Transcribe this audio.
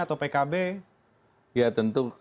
atau pkb ya tentu